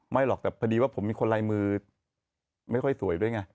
หรอกแต่พอดีว่าผมมีคนลายมือไม่ค่อยสวยด้วยไง